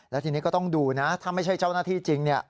แล้วทีนี้ก็ต้องดูนะถ้าไม่ใช่เจ้าหน้าที่จริง